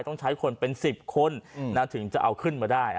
ต้องใช้คนเป็น๑๐คนถึงจะเอาขึ้นมาได้